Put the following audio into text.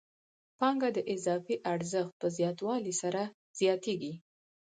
پانګه د اضافي ارزښت په زیاتوالي سره زیاتېږي